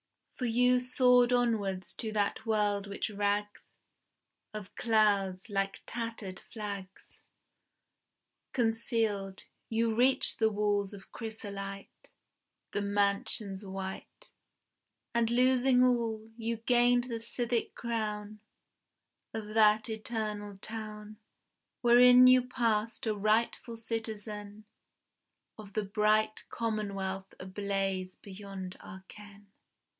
For you soared onwards to that world which rags Of clouds, like tattered flags, Concealed; you reached the walls of chrysolite, The mansions white; And losing all, you gained the civic crown Of that eternal town, Wherein you passed a rightful citizen Of the bright commonwealth ablaze beyond our ken.